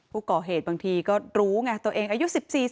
ผู้เกาะเหตุบางทีก็รู้ไงตัวเองอายุ๑๔๑๕